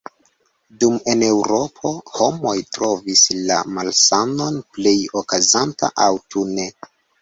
Dum en Eŭropo, homoj trovis la malsanon plej okazanta aŭtune.